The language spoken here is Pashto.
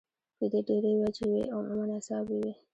د دې ډېرې وجې وي او عموماً اعصابي وي